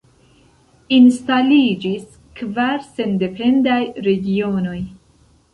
Instaliĝis kvar sendependaj regionoj.